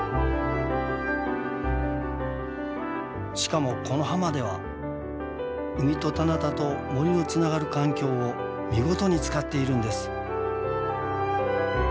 しかもこの浜では海と棚田と森のつながる環境を見事に使っているんです。